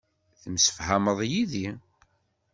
Temsefhameḍ yid-i.